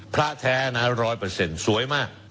พระแท้นะร้อยเปอร์เซ็นต์สวยมาก